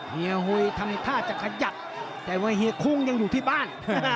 เฮียหุยทำท่าจะขยับแต่ว่าเฮียคุ้งยังอยู่ที่บ้าน